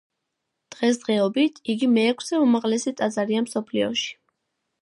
დღესდღეობით, იგი მეექვსე უმაღლესი ტაძარია მსოფლიოში.